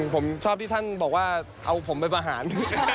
ผมชอบที่ท่านบอกว่าเอาผมไปประหาร